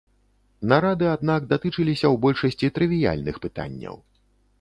Нарады, аднак, датычыліся ў большасці трывіяльных пытанняў.